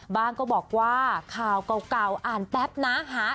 บ้างก็บอกว่าข่าวกาวอ่านแป๊บนะฮะ